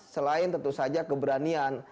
selain tentu saja keberanian